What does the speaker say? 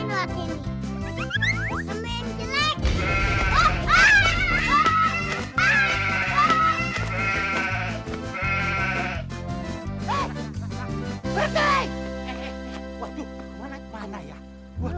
berhenti waduh mana mana ya waduh